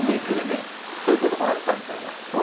そういうこともあるさ、みたいな。